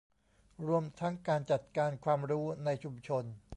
รวมทั้งการจัดการความรู้ในชุมชน